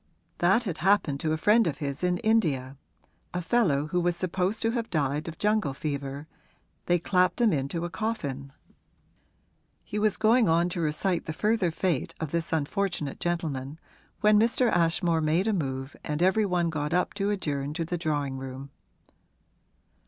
That had happened to a friend of his in India a fellow who was supposed to have died of jungle fever they clapped him into a coffin. He was going on to recite the further fate of this unfortunate gentleman when Mr. Ashmore made a move and every one got up to adjourn to the drawing room.